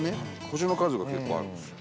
星の数が結構あるんですよ。